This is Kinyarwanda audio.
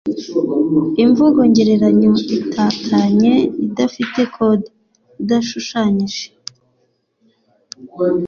imvugo ngereranyo itatanye - idafite kode, idashushanyije